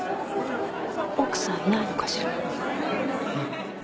奥さんいないのかしら。